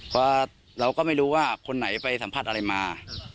เพราะเราก็ไม่รู้ว่าคนไหนไปสัมผัสอะไรมา